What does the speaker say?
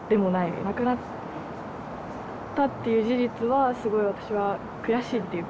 亡くなったっていう事実はすごい私は悔しいというか。